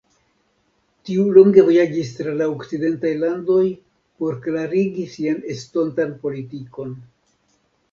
Tiu longe vojaĝis tra la okcidentaj landoj por klarigi sian estontan politikon.